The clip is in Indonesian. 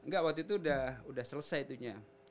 gak waktu itu udah selesai itu nya